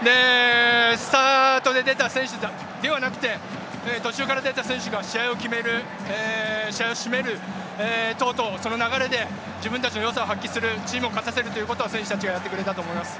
スタートで出た選手じゃなく途中から出た選手が試合を決める、試合を締める等々その流れで自分たちの良さを発揮するチームを勝たせることを選手たちがやってくれたと思います。